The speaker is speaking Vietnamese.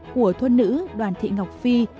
của thôn nữ đoàn thị ngọc phi